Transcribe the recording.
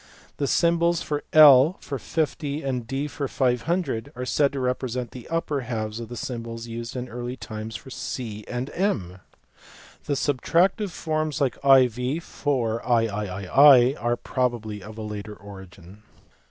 The symbols JL for 50 and D for 500 are said to represent the upper jhalves of the symbols used in early times for c and M. The Isubtractive forms like iv for mi are probably of a later origin.